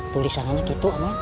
tulisannya gitu amin